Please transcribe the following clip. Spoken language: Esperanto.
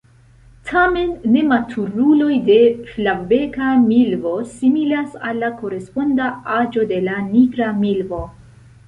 Tamen nematuruloj de Flavbeka milvo similas al la koresponda aĝo de la Nigra milvo.